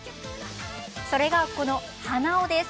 それが、この鼻緒です。